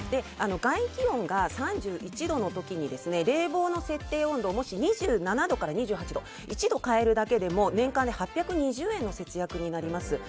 外気温が３１度の時に冷房の設定温度２７度から２８度１度変えるだけでも年間で８２０円の節約になります。